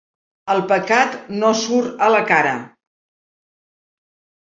El pecat no surt a la cara.